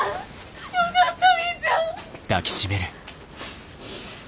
よかったみーちゃん。